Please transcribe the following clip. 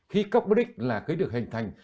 khí carbonic là cái được hình thành